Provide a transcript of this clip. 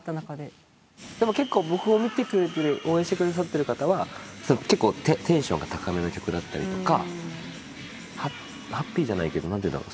でも結構僕オリンピック出て応援してくださってる方は結構テンションが高めの曲だったりとかハッピーじゃないけどなんて言うんだろう？